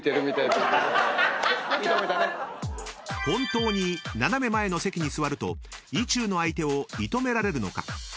［本当に斜め前の席に座ると意中の相手を射止められるのか？］